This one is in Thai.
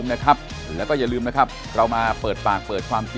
มาตรานายกนี่นะครับมาตรา๑๖๐